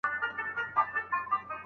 په سياست کي تلپاتي دوست او دښمن نسته.